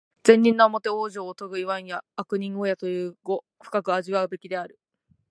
善人なおもて往生をとぐ、いわんや悪人をやという語、深く味わうべきである。